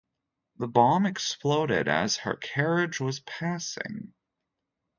The bomb exploded as her carriage was passing.